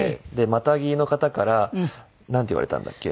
マタギの方からなんて言われたんだっけ？